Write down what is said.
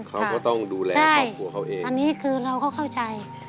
เขาก็ต้องดูแลครอบครัวเขาเองอันนี้คือเราก็เข้าใจ